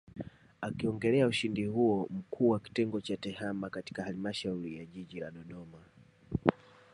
Akiongelea ushindi huo Mkuu wa Kitengo cha Tehama katika Halmashauri ya Jiji la Dodoma